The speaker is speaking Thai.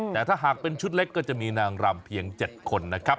แต่ถ้าหากเป็นชุดเล็กก็จะมีนางรำเพียง๗คนนะครับ